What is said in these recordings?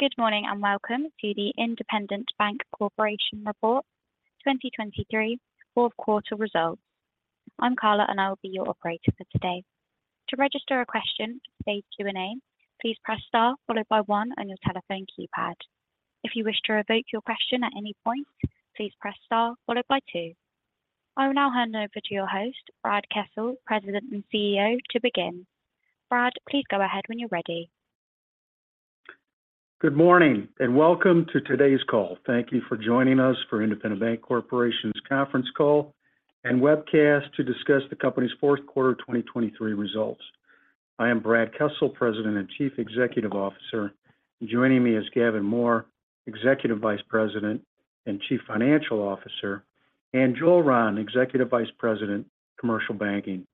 Good morning, and welcome to the Independent Bank Corporation 2023 fourth quarter results. I'm Carla, and I'll be your operator for today. To register a question for today's Q&A, please press Star followed by one on your telephone keypad. If you wish to revoke your question at any point, please press Star followed by two. I will now hand over to your host, Brad Kessel, President and CEO, to begin. Brad, please go ahead when you're ready. Good morning, and welcome to today's call. Thank you for joining us for Independent Bank Corporation's conference call and webcast to discuss the company's fourth quarter 2023 results. I am Brad Kessel, President and Chief Executive Officer. Joining me is Gavin Mohr, Executive Vice President and Chief Financial Officer, and Joel Rahn, Executive Vice President, Commercial Banking.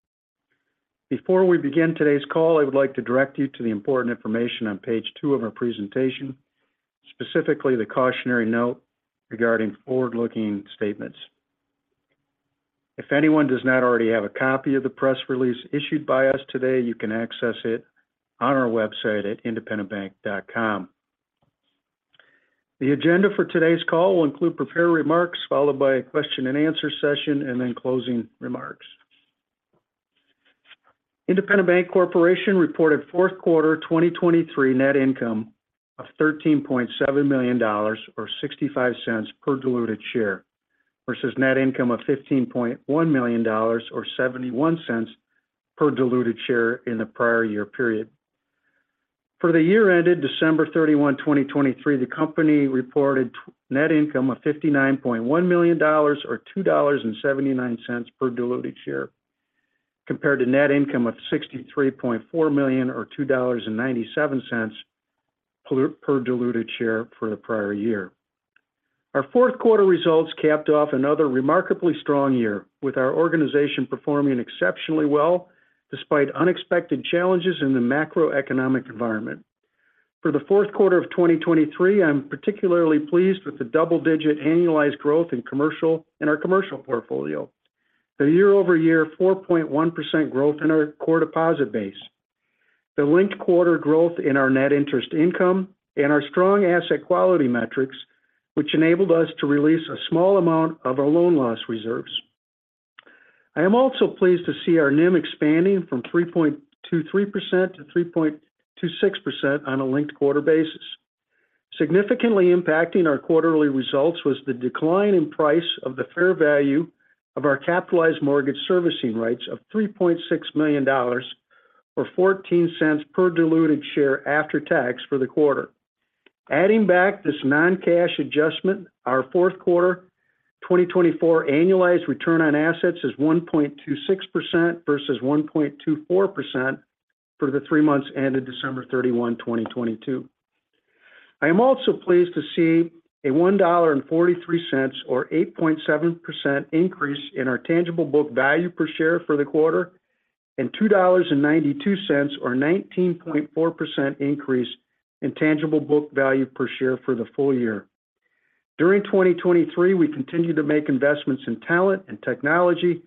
Before we begin today's call, I would like to direct you to the important information on page two of our presentation, specifically the cautionary note regarding forward-looking statements. If anyone does not already have a copy of the press release issued by us today, you can access it on our website at independentbank.com. The agenda for today's call will include prepared remarks, followed by a question and answer session, and then closing remarks. Independent Bank Corporation reported fourth quarter 2023 net income of $13.7 million or $0.65 per diluted share, versus net income of $15.1 million, or $0.71 per diluted share in the prior year period. For the year ended December 31, 2023, the company reported net income of $59.1 million or $2.79 per diluted share, compared to net income of $63.4 million or $2.97 per diluted share for the prior year. Our fourth quarter results capped off another remarkably strong year, with our organization performing exceptionally well despite unexpected challenges in the macroeconomic environment. For the fourth quarter of 2023, I'm particularly pleased with the double-digit annualized growth in our commercial portfolio. The year-over-year 4.1% growth in our core deposit base, the linked quarter growth in our net interest income, and our strong asset quality metrics, which enabled us to release a small amount of our loan loss reserves. I am also pleased to see our NIM expanding from 3.23% to 3.26% on a linked quarter basis. Significantly impacting our quarterly results was the decline in price of the fair value of our capitalized mortgage servicing rights of $3.6 million, or $0.14 per diluted share after tax for the quarter. Adding back this non-cash adjustment, our fourth quarter 2024 annualized return on assets is 1.26% versus 1.24% for the three months ended December 31, 2022. I am also pleased to see a $1.43, or 8.7% increase in our tangible book value per share for the quarter, and $2.92, or 19.4% increase in tangible book value per share for the full year. During 2023, we continued to make investments in talent and technology,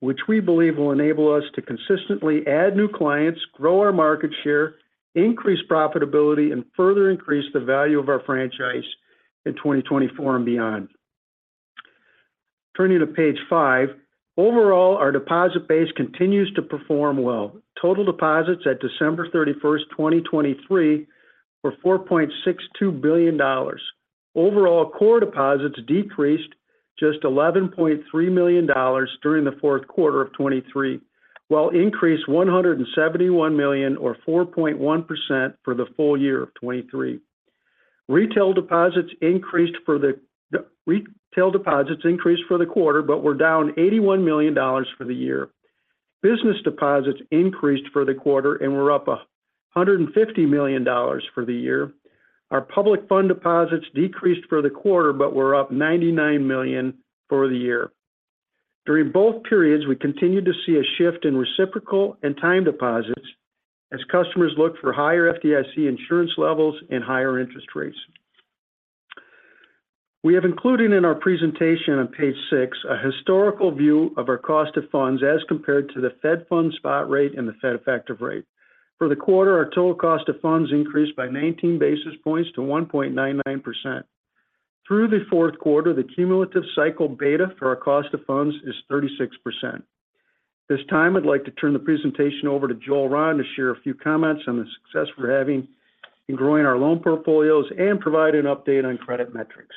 which we believe will enable us to consistently add new clients, grow our market share, increase profitability, and further increase the value of our franchise in 2024 and beyond. Turning to page five. Overall, our deposit base continues to perform well. Total deposits at December 31st, 2023, were $4.62 billion. Overall, core deposits decreased just $11.3 million during the fourth quarter of 2023, while increased $171 million or 4.1% for the full year of 2023. Retail deposits increased for the quarter but were down $81 million for the year. Business deposits increased for the quarter and were up $150 million for the year. Our public fund deposits decreased for the quarter, but were up $99 million for the year. During both periods, we continued to see a shift in reciprocal and time deposits as customers looked for higher FDIC insurance levels and higher interest rates. We have included in our presentation on page six, a historical view of our cost of funds as compared to the Fed Funds spot rate and the Fed Effective Rate. For the quarter, our total cost of funds increased by 19 basis points to 1.99%. Through the fourth quarter, the cumulative cycle beta for our cost of funds is 36%. This time, I'd like to turn the presentation over to Joel Rahn to share a few comments on the success we're having in growing our loan portfolios and provide an update on credit metrics.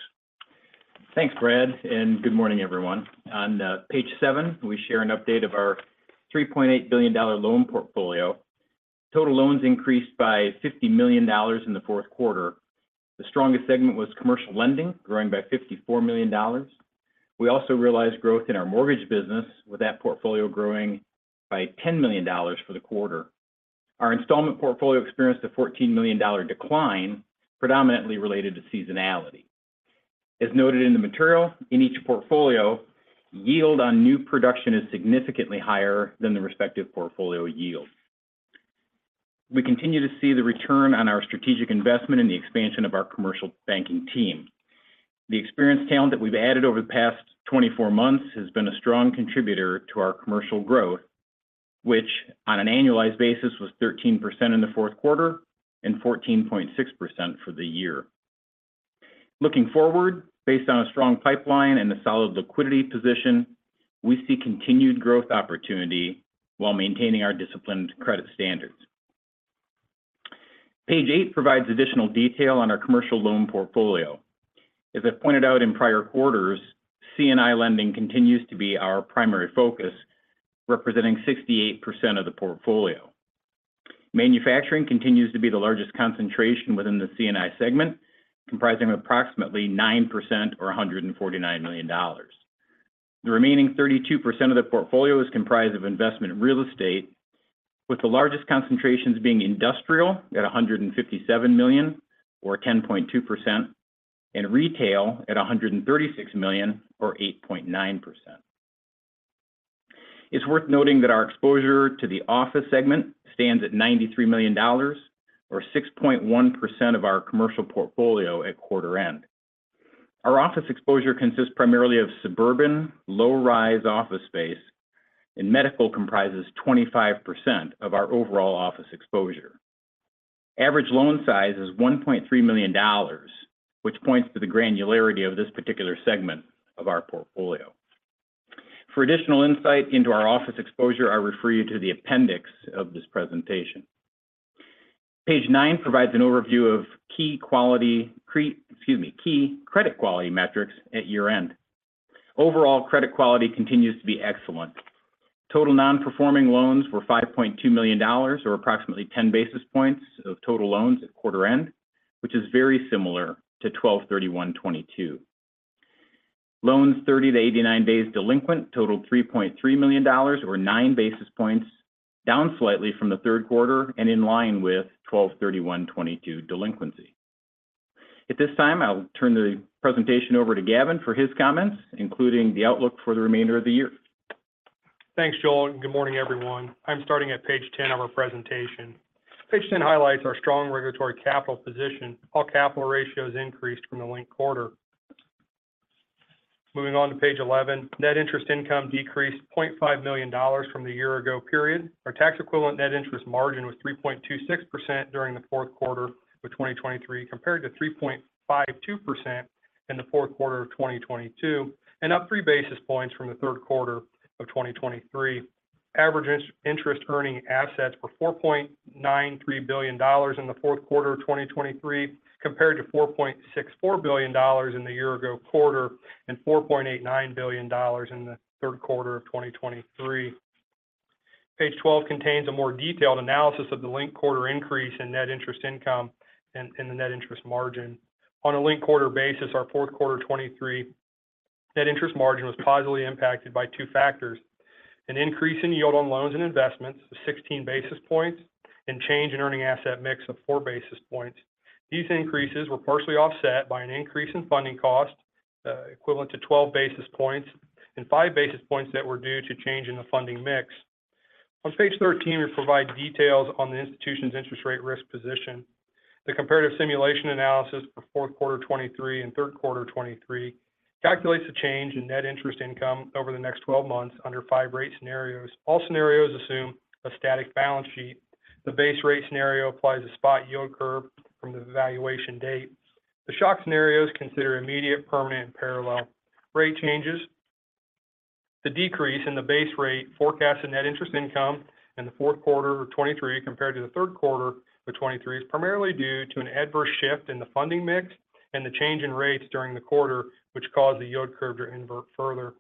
Thanks, Brad, and good morning, everyone. On page seven, we share an update of our $3.8 billion loan portfolio. Total loans increased by $50 million in the fourth quarter. The strongest segment was commercial lending, growing by $54 million. We also realized growth in our mortgage business, with that portfolio growing by $10 million for the quarter. Our installment portfolio experienced a $14 million decline, predominantly related to seasonality. As noted in the material, in each portfolio, yield on new production is significantly higher than the respective portfolio yield. We continue to see the return on our strategic investment and the expansion of our commercial banking team. The experienced talent that we've added over the past 24 months has been a strong contributor to our commercial growth, which on an annualized basis, was 13% in the fourth quarter and 14.6% for the year. Looking forward, based on a strong pipeline and a solid liquidity position, we see continued growth opportunity while maintaining our disciplined credit standards. Page eight provides additional detail on our commercial loan portfolio. As I pointed out in prior quarters, C&I lending continues to be our primary focus, representing 68% of the portfolio. Manufacturing continues to be the largest concentration within the C&I segment, comprising approximately 9% or $149 million. The remaining 32% of the portfolio is comprised of investment in real estate, with the largest concentrations being industrial at $157 million or 10.2%, and retail at $136 million or 8.9%. It's worth noting that our exposure to the office segment stands at $93 million or 6.1% of our commercial portfolio at quarter end. Our office exposure consists primarily of suburban, low-rise office space, and medical comprises 25% of our overall office exposure. Average loan size is $1.3 million, which points to the granularity of this particular segment of our portfolio. For additional insight into our office exposure, I refer you to the appendix of this presentation. Page nine provides an overview of key credit quality metrics at year-end. Overall, credit quality continues to be excellent. Total non-performing loans were $5.2 million, or approximately 10 basis points of total loans at quarter end, which is very similar to 12/31/2022. Loans 30-89 days delinquent totaled $3.3 million, or nine basis points, down slightly from the third quarter and in line with 12/31/2022 delinquency. At this time, I'll turn the presentation over to Gavin for his comments, including the outlook for the remainder of the year. Thanks, Joel, and good morning, everyone. I'm starting at page 10 of our presentation. Page 10 highlights our strong regulatory capital position. All capital ratios increased from the linked quarter. Moving on to page 11, net interest income decreased $0.5 million from the year ago period. Our tax-equivalent net interest margin was 3.26% during the fourth quarter of 2023, compared to 3.52% in the fourth quarter of 2022, and up three basis points from the third quarter of 2023. Average interest earning assets were $4.93 billion in the fourth quarter of 2023, compared to $4.64 billion in the year ago quarter and $4.89 billion in the third quarter of 2023. Page 12 contains a more detailed analysis of the linked-quarter increase in net interest income and the net interest margin. On a linked-quarter basis, our fourth quarter 2023 net interest margin was positively impacted by two factors: an increase in yield on loans and investments of 16 basis points and change in earning asset mix of four basis points. These increases were partially offset by an increase in funding cost equivalent to 12 basis points and five basis points that were due to change in the funding mix. On page 13, we provide details on the institution's interest rate risk position. The comparative simulation analysis for fourth quarter 2023 and third quarter 2023 calculates the change in net interest income over the next 12 months under five rate scenarios. All scenarios assume a static balance sheet. The base rate scenario applies a spot yield curve from the evaluation date. The shock scenarios consider immediate, permanent, and parallel rate changes. The decrease in the base rate forecast and net interest income in the fourth quarter of 2023 compared to the third quarter of 2023 is primarily due to an adverse shift in the funding mix and the change in rates during the quarter, which caused the yield curve to invert further.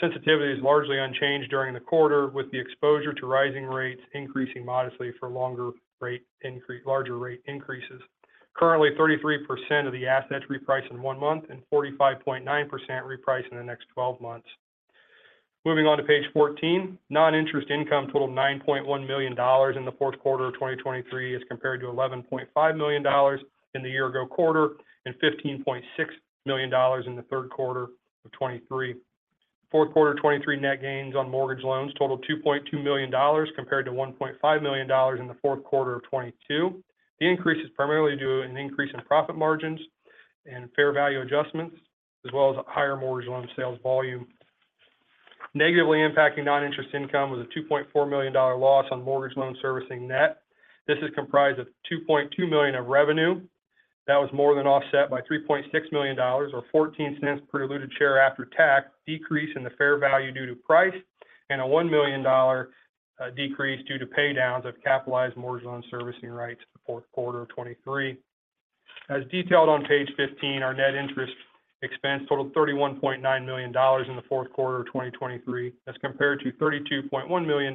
Sensitivity is largely unchanged during the quarter, with the exposure to rising rates increasing modestly for larger rate increases. Currently, 33% of the assets reprice in one month and 45.9% reprice in the next twelve months. Moving on to page 14, non-interest income totaled $9.1 million in the fourth quarter of 2023 as compared to $11.5 million in the year ago quarter and $15.6 million in the third quarter of 2023. Fourth quarter 2023 net gains on mortgage loans totaled $2.2 million, compared to $1.5 million in the fourth quarter of 2022. The increase is primarily due to an increase in profit margins and fair value adjustments, as well as higher mortgage loan sales volume. Negatively impacting non-interest income was a $2.4 million dollar loss on mortgage loan servicing net. This is comprised of $2.2 million of revenue. That was more than offset by $3.6 million or $0.14 per diluted share after tax, decrease in the fair value due to price, and a $1 million decrease due to paydowns of Capitalized Mortgage Servicing Rights in the fourth quarter of 2023. As detailed on page 15, our net interest expense totaled $31.9 million in the fourth quarter of 2023, as compared to $32.1 million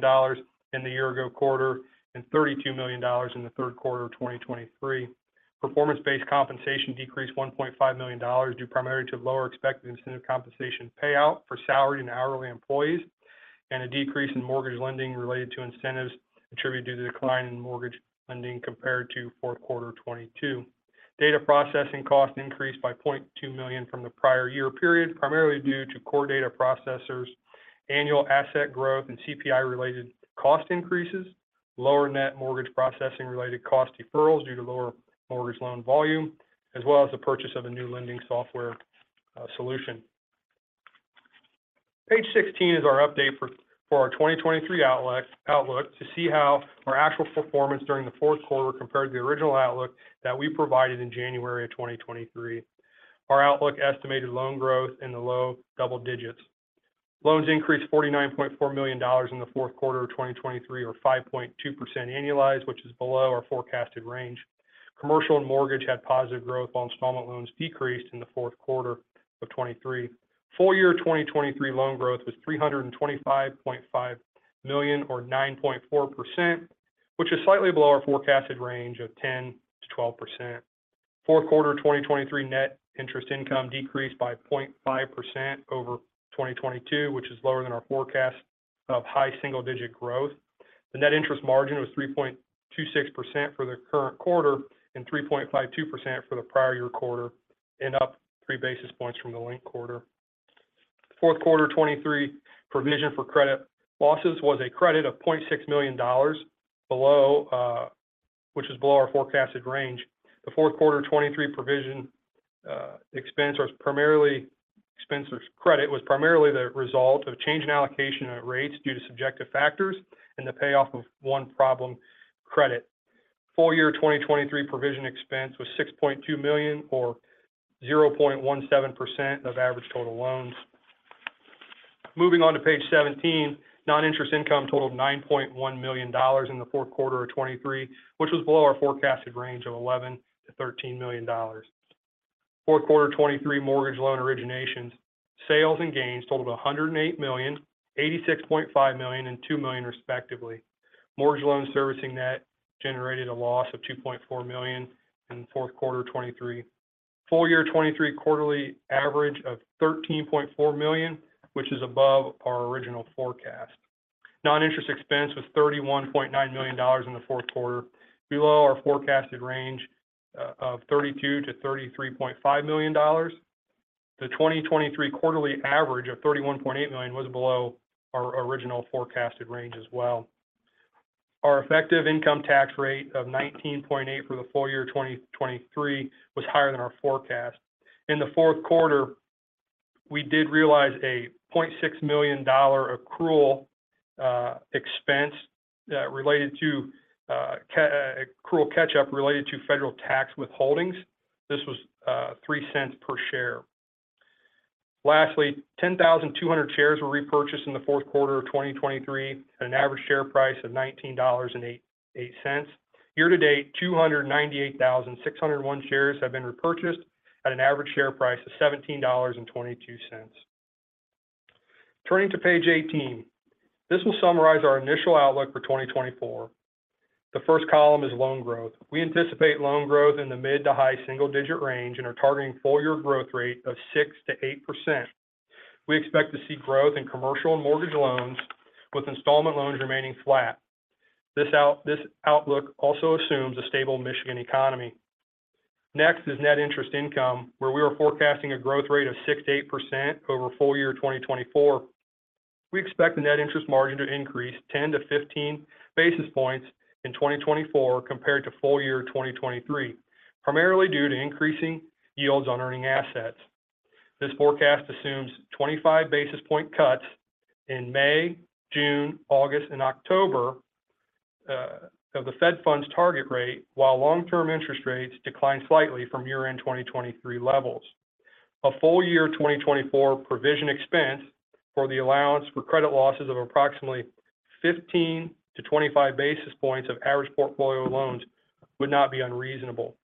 in the year ago quarter and $32 million in the third quarter of 2023. Performance-based compensation decreased $1.5 million, due primarily to lower expected incentive compensation payout for salaried and hourly employees, and a decrease in mortgage lending related to incentives attributed to the decline in mortgage lending compared to fourth quarter 2022. Data processing costs increased by $0.2 million from the prior year period, primarily due to core data processors' annual asset growth and CPI-related cost increases, lower net mortgage processing related cost deferrals due to lower mortgage loan volume, as well as the purchase of a new lending software solution. Page 16 is our update for our 2023 outlook to see how our actual performance during the fourth quarter compared to the original outlook that we provided in January 2023. Our outlook estimated loan growth in the low double digits. Loans increased $49.4 million in the fourth quarter of 2023, or 5.2% annualized, which is below our forecasted range. Commercial and mortgage had positive growth, while installment loans decreased in the fourth quarter of 2023. Full year 2023 loan growth was $325.5 million or 9.4%, which is slightly below our forecasted range of 10%-12%. Fourth quarter 2023 net interest income decreased by 0.5% over 2022, which is lower than our forecast of high single-digit growth. The net interest margin was 3.26% for the current quarter and 3.52% for the prior year quarter, and up three basis points from the linked quarter. Fourth quarter 2023 provision for credit losses was a credit of $0.6 million below, which is below our forecasted range. The fourth quarter 2023 provision expense or credit was primarily the result of a change in allocation of rates due to subjective factors and the payoff of one problem credit. Full year 2023 provision expense was $6.2 million, or 0.17% of average total loans. Moving on to page 17, non-interest income totaled $9.1 million in the fourth quarter of 2023, which was below our forecasted range of $11 million-$13 million. Fourth quarter 2023 mortgage loan originations, sales and gains totaled $108 million, $86.5 million, and $2 million respectively. Mortgage loan servicing net generated a loss of $2.4 million in the fourth quarter of 2023. Full year 2023 quarterly average of $13.4 million, which is above our original forecast. Non-interest expense was $31.9 million in the fourth quarter, below our forecasted range of $32 million-$33.5 million. The 2023 quarterly average of $31.8 million was below our original forecasted range as well. Our effective income tax rate of 19.8% for the full year 2023 was higher than our forecast. In the fourth quarter, we did realize a $0.6 million accrual expense related to accrual catch-up related to federal tax withholdings. This was $0.03 per share. Lastly, 10,200 shares were repurchased in the fourth quarter of 2023 at an average share price of $19.88. Year to date, 298,601 shares have been repurchased at an average share price of $17.22. Turning to page 18, this will summarize our initial outlook for 2024. The first column is loan growth. We anticipate loan growth in the mid to high single digit range and are targeting full year growth rate of 6%-8%. We expect to see growth in commercial and mortgage loans, with installment loans remaining flat. This outlook also assumes a stable Michigan economy. Next is Net Interest Income, where we are forecasting a growth rate of 6%-8% over full year 2024. We expect the Net Interest Margin to increase 10-15 basis points in 2024 compared to full year 2023, primarily due to increasing yields on earning assets. This forecast assumes 25 basis point cuts in May, June, August, and October of the Fed Funds target rate, while long-term interest rates decline slightly from year-end 2023 levels. A full-year 2024 provision expense for the Allowance for Credit Losses of approximately 15-25 basis points of average portfolio loans would not be unreasonable.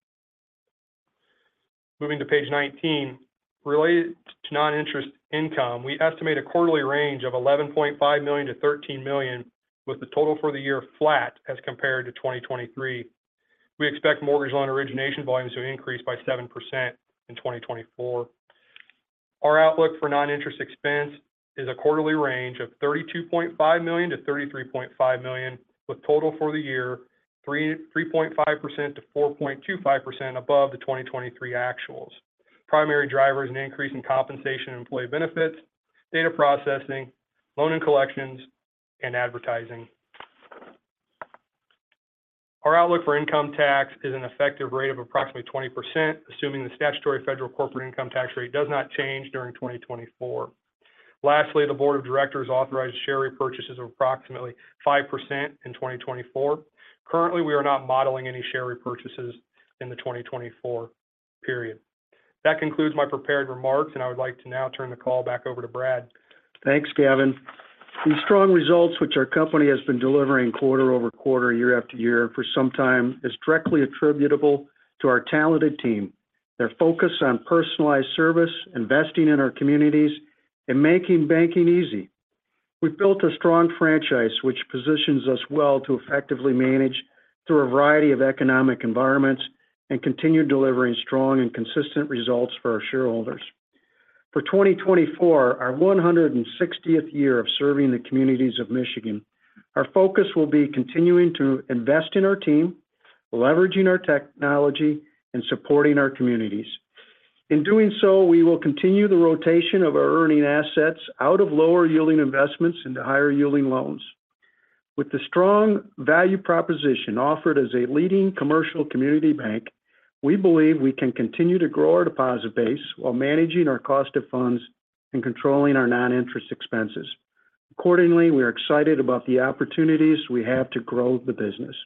Moving to page 19, related to non-interest income, we estimate a quarterly range of $11.5 million-$13 million, with the total for the year flat as compared to 2023. We expect mortgage loan origination volumes to increase by 7% in 2024. Our outlook for non-interest expense is a quarterly range of $32.5 million-$33.5 million, with total for the year 3.5%-4.25% above the 2023 actuals. Primary driver is an increase in compensation and employee benefits, data processing, loan and collections, and advertising. Our outlook for income tax is an effective rate of approximately 20%, assuming the statutory federal corporate income tax rate does not change during 2024. Lastly, the board of directors authorized share repurchases of approximately 5% in 2024. Currently, we are not modeling any share repurchases in the 2024 period. That concludes my prepared remarks, and I would like to now turn the call back over to Brad. Thanks, Gavin. These strong results, which our company has been delivering quarter over quarter, year after year for some time, is directly attributable to our talented team, their focus on personalized service, investing in our communities, and making banking easy. We've built a strong franchise, which positions us well to effectively manage through a variety of economic environments and continue delivering strong and consistent results for our shareholders. For 2024, our 160th year of serving the communities of Michigan, our focus will be continuing to invest in our team, leveraging our technology, and supporting our communities. ... In doing so, we will continue the rotation of our earning assets out of lower-yielding investments into higher-yielding loans. With the strong value proposition offered as a leading commercial community bank, we believe we can continue to grow our deposit base while managing our cost of funds and controlling our non-interest expenses. Accordingly, we are excited about the opportunities we have to grow the business.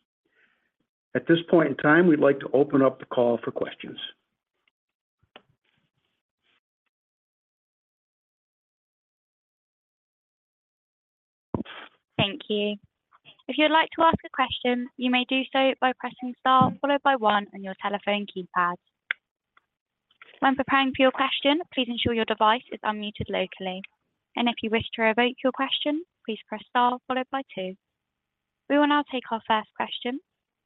At this point in time, we'd like to open up the call for questions. Thank you. If you'd like to ask a question, you may do so by pressing star followed by one on your telephone keypad. When preparing for your question, please ensure your device is unmuted locally. If you wish to revoke your question, please press star followed by two. We will now take our first question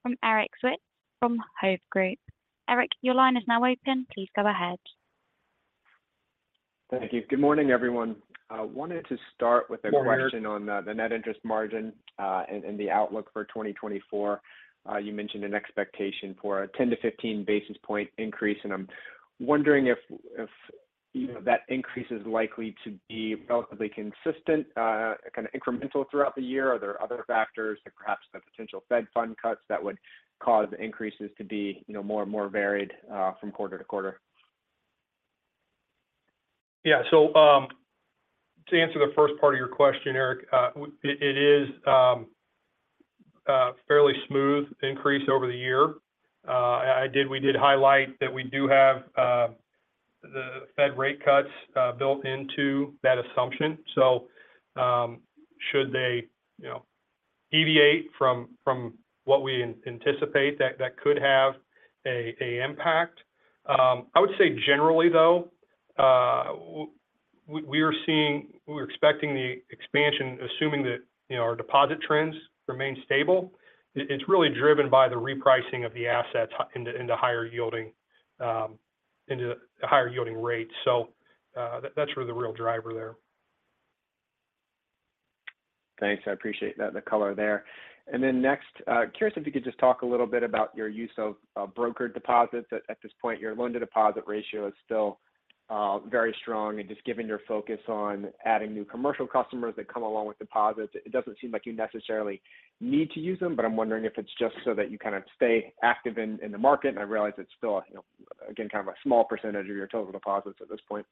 from Eric Zwick from Hovde Group. Eric, your line is now open. Please go ahead. Thank you. Good morning, everyone. I wanted to start with a- Good morning... question on the net interest margin, and the outlook for 2024. You mentioned an expectation for a 10-15 basis point increase, and I'm wondering if, you know, that increase is likely to be relatively consistent, kind of incremental throughout the year? Are there other factors to perhaps the potential Fed funds cuts that would cause increases to be, you know, more and more varied, from quarter-to-quarter? Yeah. So, to answer the first part of your question, Eric, it is fairly smooth increase over the year. We did highlight that we do have the Fed rate cuts built into that assumption. So, should they, you know, deviate from what we anticipate, that could have an impact. I would say generally, though, we're expecting the expansion, assuming that, you know, our deposit trends remain stable. It's really driven by the repricing of the assets into higher yielding rates. So, that's where the real driver there. Thanks. I appreciate that, the color there. And then next, curious if you could just talk a little bit about your use of, brokered deposits. At, at this point, your loan-to-deposit ratio is still, very strong. And just given your focus on adding new commercial customers that come along with deposits, it doesn't seem like you necessarily need to use them. But I'm wondering if it's just so that you kind of stay active in, in the market. And I realize it's still, you know, again, kind of a small percentage of your total deposits at this point.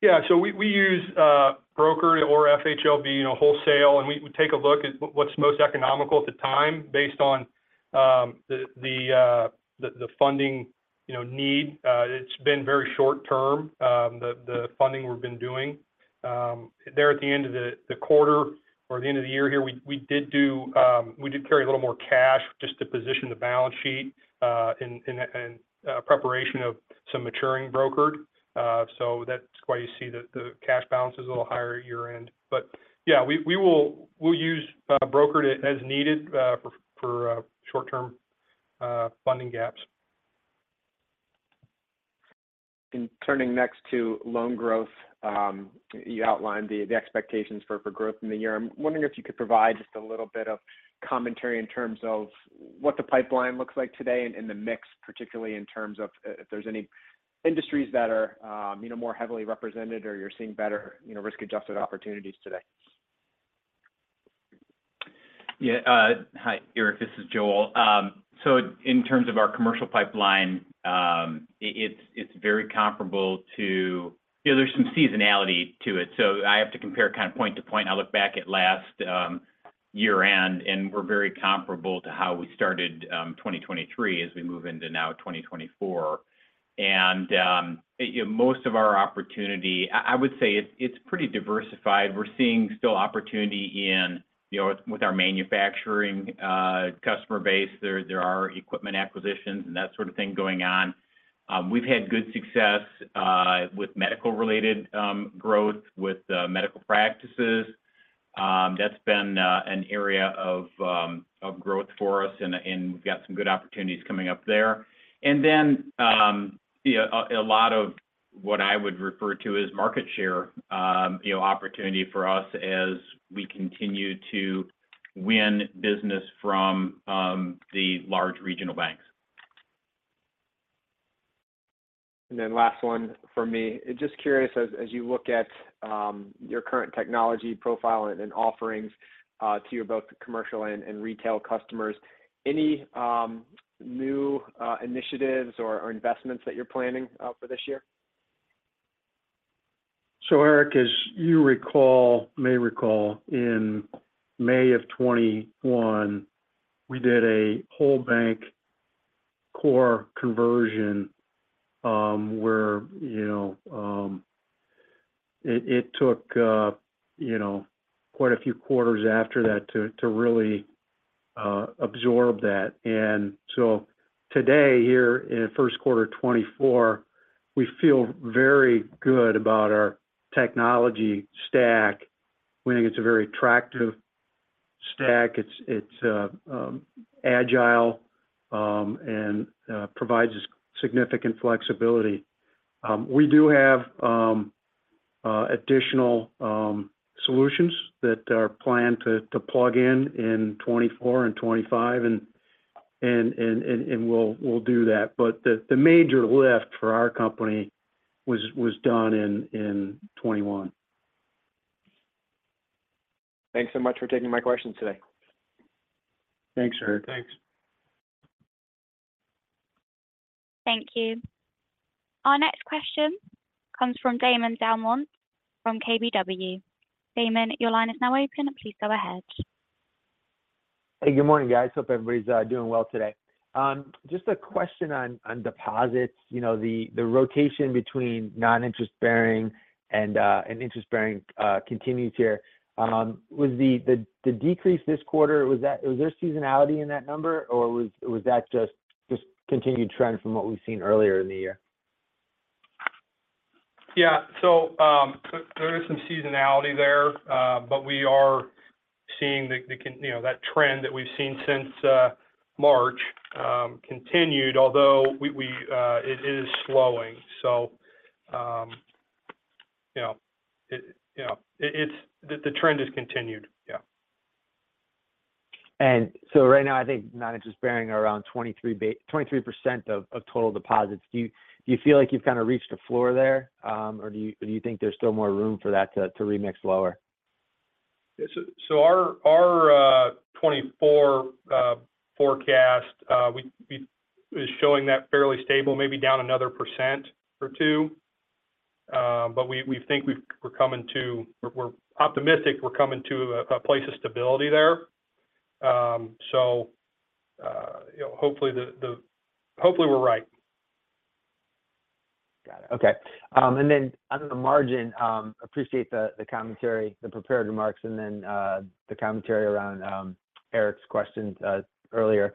Yeah. So we use brokered or FHLB, you know, wholesale, and we take a look at what's most economical at the time based on the funding, you know, need. It's been very short-term, the funding we've been doing. There at the end of the quarter or the end of the year here, we did carry a little more cash just to position the balance sheet in preparation of some maturing brokered. So that's why you see the cash balance is a little higher at year-end. But yeah, we'll use brokered as needed for short-term funding gaps. Turning next to loan growth, you outlined the expectations for growth in the year. I'm wondering if you could provide just a little bit of commentary in terms of what the pipeline looks like today and the mix, particularly in terms of if there's any industries that are you know more heavily represented or you're seeing better you know risk-adjusted opportunities today. Yeah, hi, Eric, this is Joel. So in terms of our commercial pipeline, it's very comparable to... You know, there's some seasonality to it, so I have to compare kind of point to point. I look back at last year-end, and we're very comparable to how we started 2023 as we move into now 2024. And you know, most of our opportunity, I would say it's pretty diversified. We're seeing still opportunity in, you know, with our manufacturing customer base. There are equipment acquisitions and that sort of thing going on. We've had good success with medical-related growth, with medical practices. That's been an area of growth for us, and we've got some good opportunities coming up there. Then, yeah, a lot of what I would refer to as market share, you know, opportunity for us as we continue to win business from the large regional banks. And then last one for me. Just curious, as you look at your current technology profile and offerings to your both commercial and retail customers, any new initiatives or investments that you're planning for this year? So, Eric, as you may recall, in May of 2021, we did a whole bank core conversion, where, you know, it took, you know, quite a few quarters after that to really absorb that. And so today, here in the first quarter of 2024, we feel very good about our technology stack. We think it's a very attractive stack. It's agile and provides us significant flexibility. We do have a-... additional solutions that are planned to plug in in 2024 and 2025, and we'll do that. But the major lift for our company was done in 2021. Thanks so much for taking my questions today. Thanks, Eric. Thanks. Thank you. Our next question comes from Damon DelMonte from KBW. Damon, your line is now open. Please go ahead. Hey, good morning, guys. Hope everybody's doing well today. Just a question on deposits. You know, the rotation between non-interest bearing and interest-bearing continues here. Was the decrease this quarter—was there seasonality in that number, or was that just continued trend from what we've seen earlier in the year? Yeah. So, there is some seasonality there, but we are seeing the continued, you know, that trend that we've seen since March continued, although it is slowing. So, you know, it, you know, it's the trend has continued. Yeah. So right now, I think non-interest bearing are around 23% of total deposits. Do you, do you feel like you've kind of reached a floor there, or do you think there's still more room for that to remix lower? Yeah. So our 2024 forecast is showing that fairly stable, maybe down another 1% or 2%. But we think we're coming to... We're optimistic we're coming to a place of stability there. So you know, hopefully we're right. Got it. Okay. And then on the margin, appreciate the, the commentary, the prepared remarks, and then, the commentary around, Eric's questions, earlier.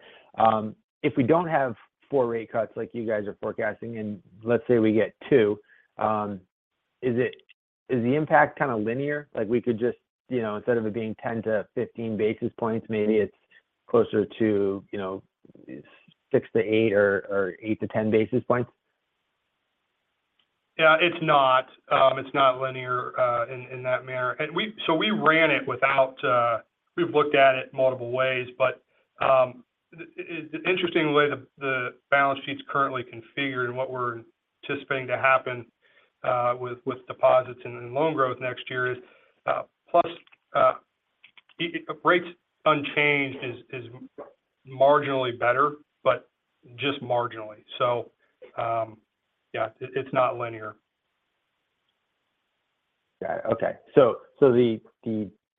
If we don't have four rate cuts like you guys are forecasting, and let's say we get two, is the impact kind of linear? Like we could just, you know, instead of it being 10-15 basis points, maybe it's closer to, you know, six to eight or, or eight to 10 basis points. Yeah, it's not. It's not linear in that manner. So we ran it without. We've looked at it multiple ways, but the interesting way the balance sheet's currently configured and what we're anticipating to happen with deposits and then loan growth next year is, plus even rates unchanged, is marginally better, but just marginally. So, yeah, it's not linear. Got it. Okay. So the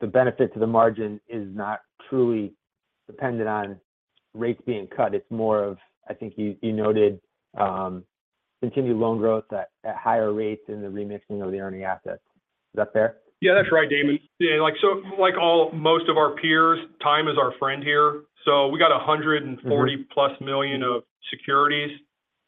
benefit to the margin is not truly dependent on rates being cut. It's more of, I think you noted, continued loan growth at higher rates than the remixing of the earning assets. Is that fair? Yeah, that's right, Damon. Yeah, like, so like almost of our peers, time is our friend here. So we got 140+ million of securities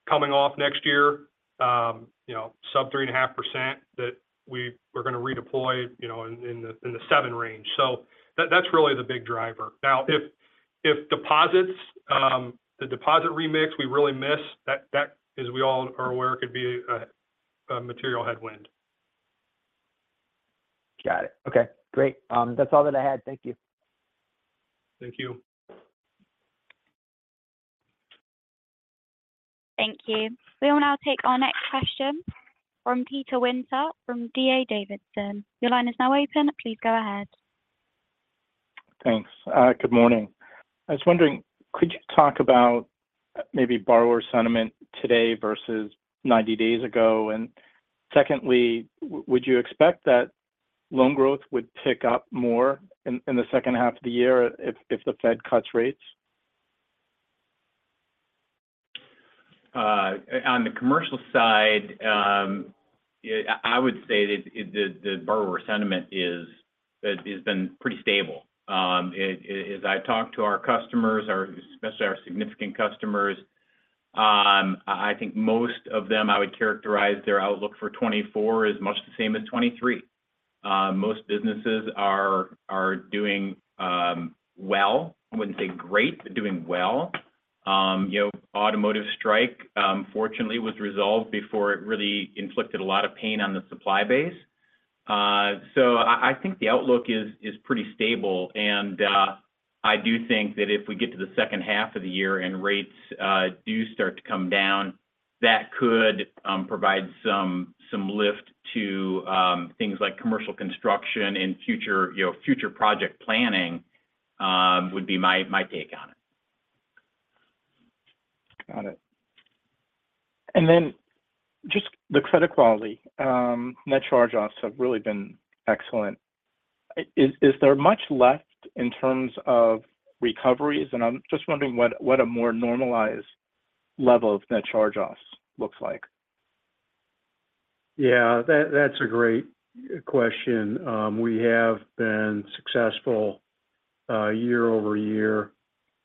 coming off next year. You know, sub 3.5%, that we're going to redeploy, you know, in the seven range. So that's really the big driver. Now, if deposits, the deposit remix, we really miss that, as we all are aware, could be a material headwind. Got it. Okay, great. That's all that I had. Thank you. Thank you. Thank you. We will now take our next question from Peter Winter from D.A. Davidson. Your line is now open. Please go ahead. Thanks. Good morning. I was wondering, could you talk about maybe borrower sentiment today versus 90 days ago? And secondly, would you expect that loan growth would pick up more in the second half of the year if the Fed cuts rates? On the commercial side, yeah, I would say that the borrower sentiment is has been pretty stable. As I talk to our customers, our especially our significant customers, I think most of them, I would characterize their outlook for 2024 as much the same as 2023. Most businesses are doing well, I wouldn't say great, but doing well. You know, automotive strike, fortunately, was resolved before it really inflicted a lot of pain on the supply base. So, I think the outlook is pretty stable, and I do think that if we get to the second half of the year and rates do start to come down, that could provide some lift to things like commercial construction and future, you know, future project planning, would be my take on it. Got it. And then just the credit quality, net charge-offs have really been excellent. Is there much left in terms of recoveries? And I'm just wondering what a more normalized level of net charge-offs looks like. Yeah, that, that's a great question. We have been successful year-over-year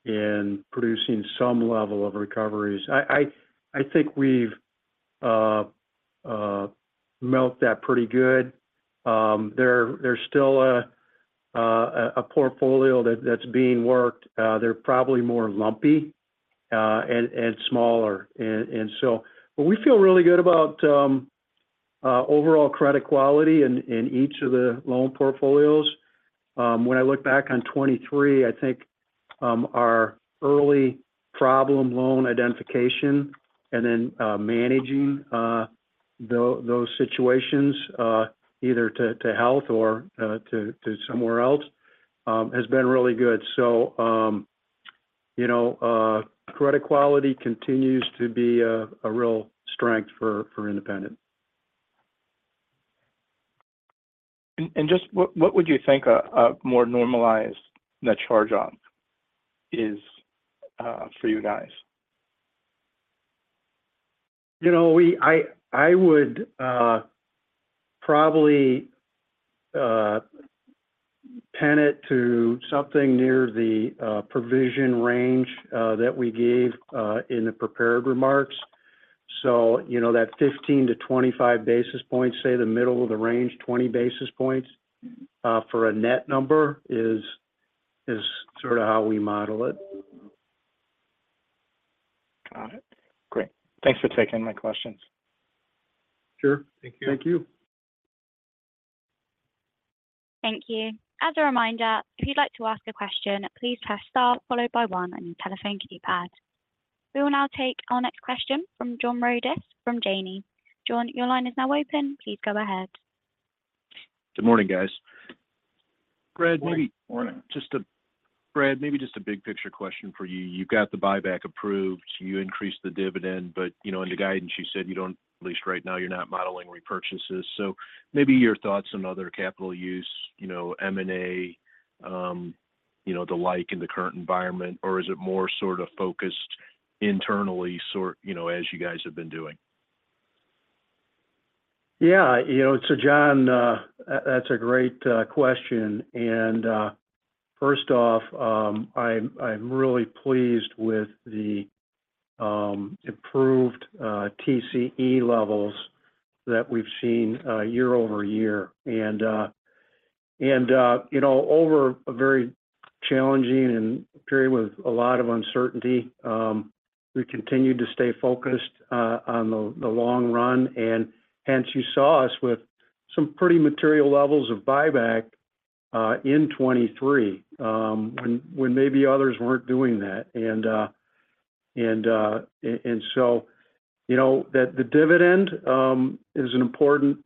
in producing some level of recoveries. I think we've met that pretty good. There's still a portfolio that's being worked, they're probably more lumpy and smaller. And so but we feel really good about overall credit quality in each of the loan portfolios. When I look back on 2023, I think our early problem loan identification and then managing those situations either to health or to somewhere else has been really good. So you know credit quality continues to be a real strength for Independent. Just what would you think a more normalized net charge-off is for you guys? You know, I would probably pin it to something near the provision range that we gave in the prepared remarks. So, you know, that 15-25 basis points, say the middle of the range, 20 basis points, for a net number is sort of how we model it. Got it. Great. Thanks for taking my questions. Sure. Thank you. Thank you. Thank you. As a reminder, if you'd like to ask a question, please press star followed by one on your telephone keypad. We will now take our next question from John Rodis from Janney. John, your line is now open. Please go ahead. Good morning, guys. Good morning. Brad, maybe- Morning. Brad, maybe just a big picture question for you. You've got the buyback approved, you increased the dividend, but, you know, in the guidance, you said you don't, at least right now, you're not modeling repurchases. So maybe your thoughts on other capital use, you know, M&A, you know, the like in the current environment, or is it more sort of focused internally, you know, as you guys have been doing? Yeah, you know, so John, that's a great question. And first off, I'm really pleased with the improved TCE levels that we've seen year-over-year. And you know, over a very challenging period with a lot of uncertainty, we continued to stay focused on the long run, and hence you saw us with some pretty material levels of buyback in 2023, when maybe others weren't doing that. And so, you know, the dividend is an important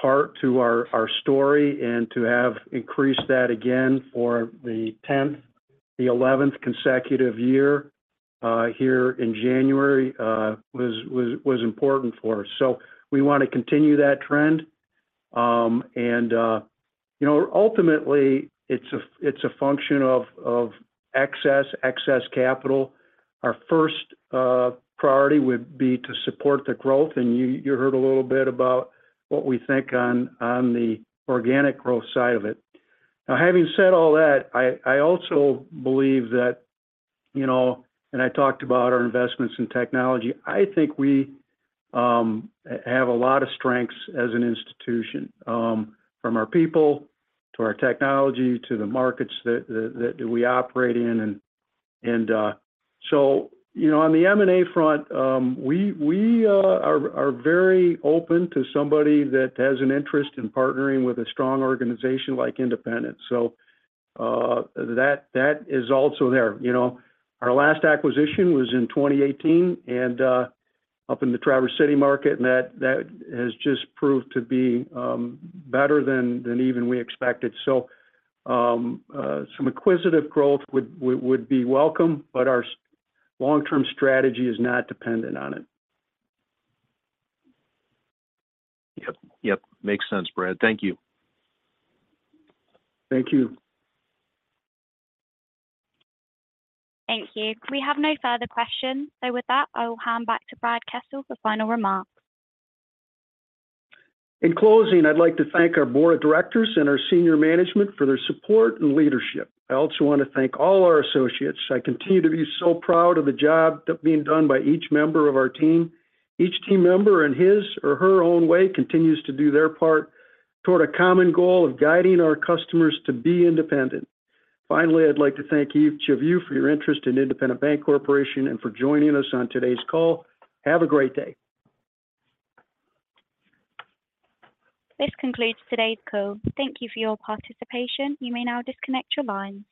part to our story and to have increased that again for the eleventh consecutive year here in January was important for us. So we want to continue that trend. And, you know, ultimately, it's a function of excess capital. Our first priority would be to support the growth, and you heard a little bit about what we think on the organic growth side of it. Now, having said all that, I also believe that, you know, and I talked about our investments in technology, I think we have a lot of strengths as an institution, from our people, to our technology, to the markets that we operate in. And so, you know, on the M&A front, we are very open to somebody that has an interest in partnering with a strong organization like Independent. So, that is also there. You know, our last acquisition was in 2018 and up in the Traverse City Market, and that has just proved to be better than even we expected. So, some acquisitive growth would be welcome, but our long-term strategy is not dependent on it. Yep. Yep. Makes sense, Brad. Thank you. Thank you. Thank you. We have no further questions. So with that, I will hand back to Brad Kessel for final remarks. In closing, I'd like to thank our board of directors and our senior management for their support and leadership. I also want to thank all our associates. I continue to be so proud of the job that being done by each member of our team. Each team member, in his or her own way, continues to do their part toward a common goal of guiding our customers to be independent. Finally, I'd like to thank each of you for your interest in Independent Bank Corporation and for joining us on today's call. Have a great day. This concludes today's call. Thank you for your participation. You may now disconnect your lines.